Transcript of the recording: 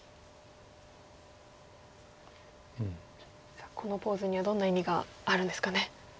さあこのポーズにはどんな意味があるんですかね。